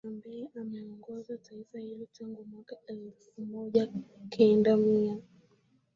ambae ameongoza taifa hilo tangu mwaka elfu moja kenda mia